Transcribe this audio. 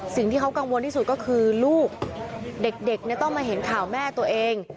สิ่งที่เขากังวลที่สุดก็คือลูกเด็กต้องมาเห็นข่าวแม่ตัวเอง